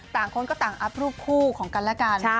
คนก็ต่างอัพรูปคู่ของกันและกัน